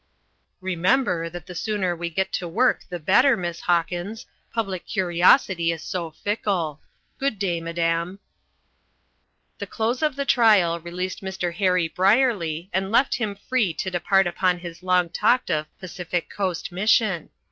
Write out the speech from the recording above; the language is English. "Remember, that the sooner we get to work the better, Miss Hawkins, public curiosity is so fickle. Good day, madam." The close of the trial released Mr. Harry Brierly and left him free to depart upon his long talked of Pacific coast mission.